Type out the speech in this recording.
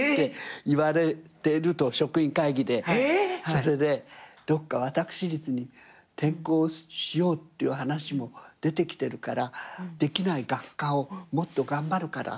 それで「どっか私立に転校しようっていう話も出てきてるからできない学科をもっと頑張るから」